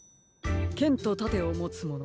けんとたてをもつもの。